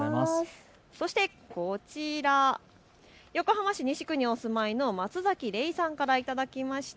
そしてこちら、横浜市西区にお住まいのまつざきれいさんから頂きました。